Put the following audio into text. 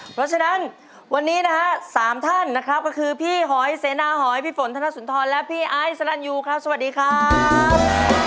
เพราะฉะนั้นวันนี้นะฮะ๓ท่านนะครับก็คือพี่หอยเสนาหอยพี่ฝนธนสุนทรและพี่ไอซ์สลันยูครับสวัสดีครับ